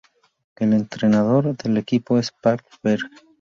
El entrenador del equipo es Pal Berg.